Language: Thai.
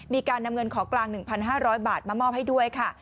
มีการนำเงินของกลาง๑๕๐๐บาทมามอบให้ด้วยค่ะ